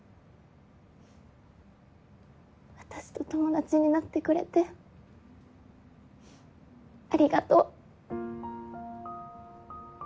私と友達になってくれてありがとう。